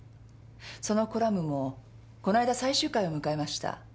そのコラムもこの間最終回を迎えました。